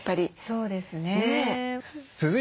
そうですね。